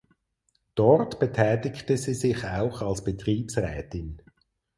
Dort betätigte sie sich auch als Betriebsrätin.